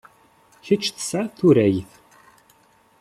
Kečč tesɛid turagt.